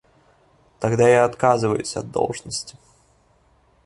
Тогда я отказываюсь от должности.